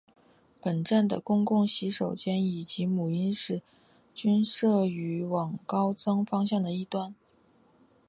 本站的公共洗手间以及母婴室均设于往高增方向的一端。